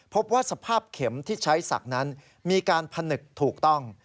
พบว่าสภาพเข็มที่ใช้ศักดิ์นั้นมีการผนึกถูกต้อง